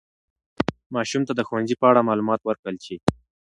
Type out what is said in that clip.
ماشوم ته د ښوونځي په اړه معلومات ورکړل شي.